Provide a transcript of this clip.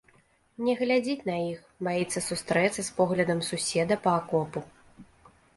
Не глядзіць на іх, баіцца сустрэцца з поглядам суседа па акопу.